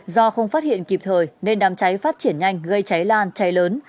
do không phát hiện kịp thời nên đám cháy phát triển nhanh gây cháy lan cháy lớn